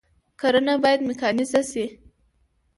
کرنه باید میکانیزه شي